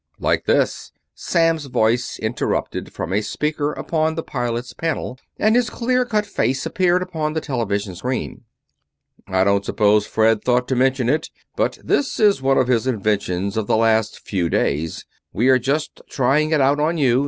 "Like this," Samms' voice interrupted from a speaker upon the pilot's panel and his clear cut face appeared upon the television screen. "I don't suppose Fred thought to mention it, but this is one of his inventions of the last few days. We are just trying it out on you.